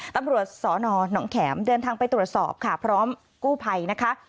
ตำรวจสนหนองแข็มเดินทางไปตรวจสอบค่ะพร้อมกู้ภัยนะคะ